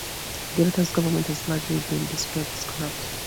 Jonathan's government has largely been described as corrupt.